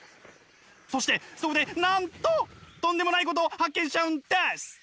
そしてそこでなんととんでもないことを発見しちゃうんです！